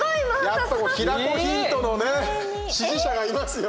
平子ヒントの支持者がいますよ。